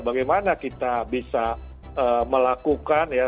bagaimana kita bisa memperbaikinya